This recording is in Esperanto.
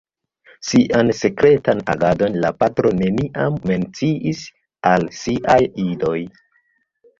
Sian sekretan agadon la patro neniam menciis al siaj idoj.